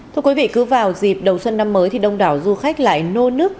thưa quý vị cứ vào dịp đầu xuân năm mới thì đông đảo du khách lại nô nức